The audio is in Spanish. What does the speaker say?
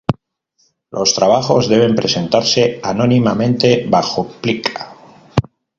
Los trabajos deben presentarse anónimamente bajo plica.